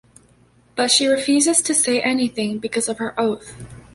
But she refuses to say anything because of her oath.